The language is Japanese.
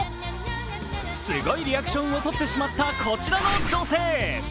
すごいリアクションをとってしまった、こちらの女性。